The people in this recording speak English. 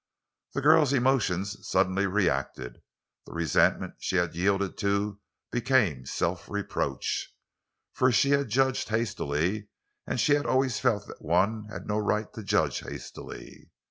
The girl's emotions suddenly reacted; the resentment she had yielded to became self reproach. For she had judged hastily, and she had always felt that one had no right to judge hastily.